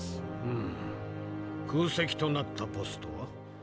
うん空席となったポストは？